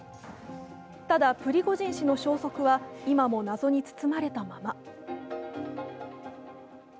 ただ、プリゴジン氏の消息は今も謎に包まれたまま。